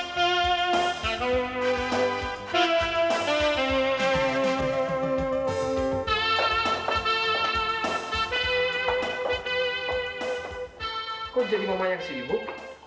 kok jadi mama yang sibuk